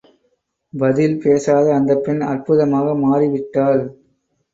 பதில் பேசாத அந்தப் பெண், அற்புதமாக மாறி விட்டாள்.